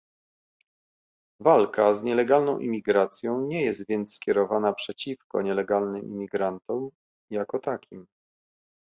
Walka z nielegalną imigracją nie jest więc skierowana "przeciwko" nielegalnym imigrantom jako takim